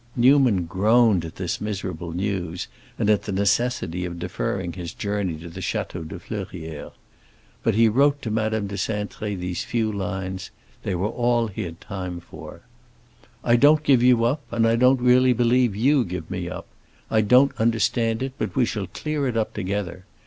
B." Newman groaned at this miserable news, and at the necessity of deferring his journey to the Château de Fleurières. But he wrote to Madame de Cintré these few lines; they were all he had time for:— "I don't give you up, and I don't really believe you give me up. I don't understand it, but we shall clear it up together.